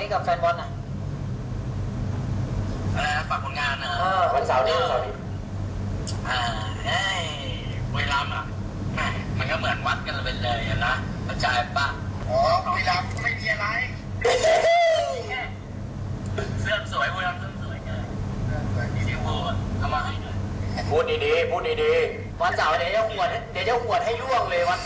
นะครับแต่เราไม่ต้องถึงจุดโทษนะพี่ต้องคุ้ดเฟ้ยจุดโทษเก่งถ้าไม่ต้องถึง